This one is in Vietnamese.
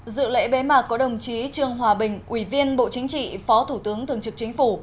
dự lễ bế mạc có đồng chí trương hòa bình ủy viên bộ chính trị phó thủ tướng thường trực chính phủ